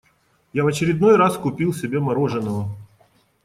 Я в очередной раз купил себе мороженного.